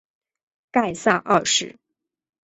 盖萨二世。